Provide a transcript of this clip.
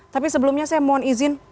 tapi sebelumnya saya mohon izin